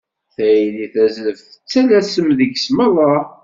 Tayri d azref, tettalasem deg-s merra.